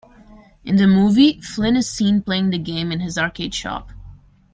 In the movie Flynn is seen playing the game in his arcade shop.